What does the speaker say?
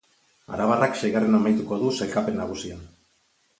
Arabarrak seigarren amaituko du sailkapen nagusian.